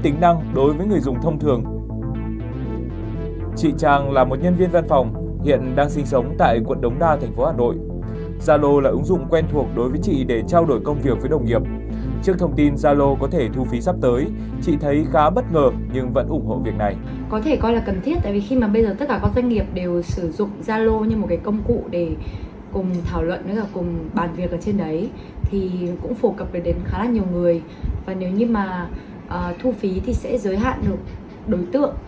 trái về ý kiến của chị trang anh công hiện đang sinh sống tại quận hai bà trưng hà nội cho rằng việc gia lô thu phí xiết tính năng có thể gây mất một lượng khách hàng sử dụng ứng dụng